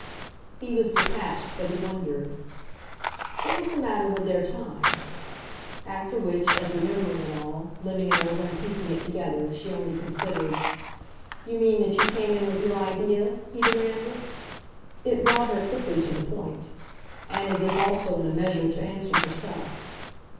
He was detached, but he wondered. "What was the matter with their time?" After which, as, remembering it all, living it over and piecing it together, she only considered, "You mean that you came in with your idea?" he demanded. It brought her quickly to the point, and as if also in a measure to answer herself.